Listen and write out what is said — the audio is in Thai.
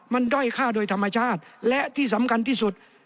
มันด้อยฆ่าโดยธรรมชาติและที่สำคัญที่สุด